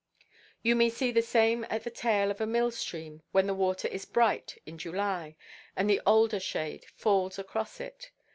You may see the same at the tail of a mill–stream, when the water is bright in July, and the alder–shade falls across it.